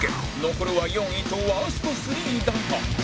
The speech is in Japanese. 残るは４位とワースト３だが